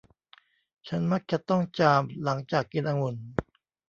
ฉันมักจะต้องจามหลังจากกินองุ่น